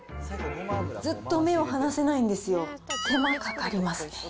ずっと目を離せないんですよ、手間かかりますね。